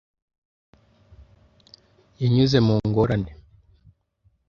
Yanyuze mu ngorane.